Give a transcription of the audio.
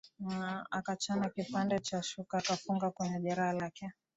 Akachana kipande cha shuka akafunga kwenye jeraha lake